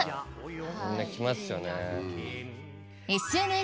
みんな来ますよね。